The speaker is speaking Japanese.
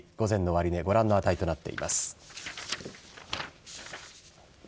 午前の終値ご覧の値となっています。